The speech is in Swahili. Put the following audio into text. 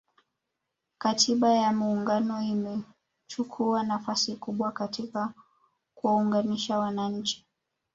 Katiba ya Muungano imechukuwa nafasi kubwa katika kuwaunganisha wananchi